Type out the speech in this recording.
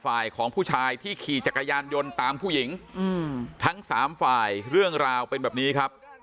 ฝ่ายของผู้ชายที่ขี่จักรยานยนต์ตามผู้หญิงทั้งสามฝ่ายเรื่องราวเป็นแบบนี้ครับ